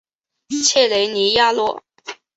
切雷尼亚诺。